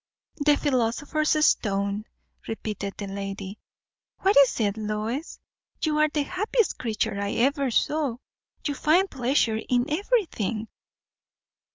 "The philosopher's stone!" repeated the lady. "What is it, Lois? You are the happiest creature I ever saw. You find pleasure in everything."